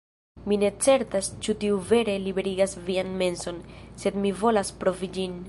Mi ne certas ĉu tiu vere liberigas vian menson, sed mi volas provi ĝin